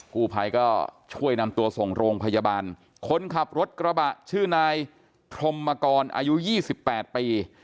ผู้ภัยก็ช่วยนำตัวส่งโรงพยาบาลคนขับรถกระบะชื่อนายพรมกรอายุ๒๘ปี